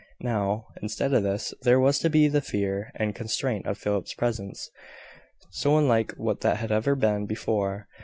Now, instead of this, there was to be the fear and constraint of Philip's presence, so unlike what that had ever been before!